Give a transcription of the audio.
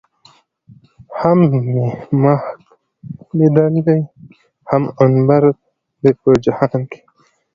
هم مې مښک ليدلي، هم عنبر دي په جهان کې